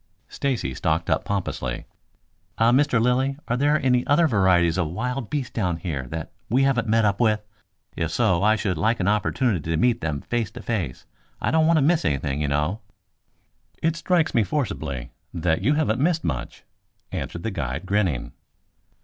Stacy stalked up pompously. "Ah, Mr. Lilly, are there any other varieties of wild beasts down here that we haven't met up with? If so I should like an opportunity to meet them face to face. I don't want to miss anything, you know." "It strikes me forcibly that you haven't missed much," answered the guide, grinning.